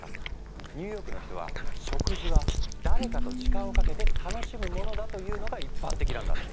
ニューヨークの人は食事は誰かと時間をかけて楽しむものだというのが一般的なんだって。